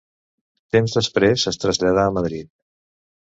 Temps després es traslladà a Madrid.